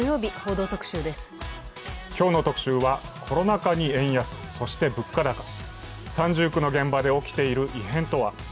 今日の特集はコロナ禍に円安、そして物価高、三重苦の現場で起きている異変とは。